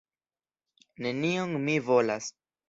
Nenion mi volas.